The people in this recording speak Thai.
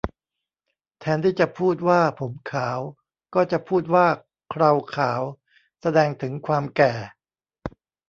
แทนที่จะพูดว่าผมขาว ก็จะพูดว่าเคราขาว แสดงถึงความแก่